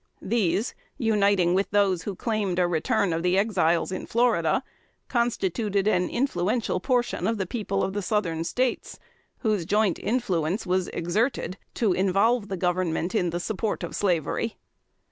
These uniting with those who claimed a return of the Exiles in Florida, constituted an influential portion of the people of the Southern States, whose joint influence was exerted to involve the Government in the support of slavery.